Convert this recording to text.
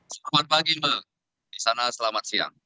selamat pagi mbak di sana selamat siang